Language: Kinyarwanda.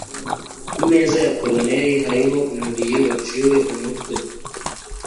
ku meza ya coroner hari umubiri waciwe umutwe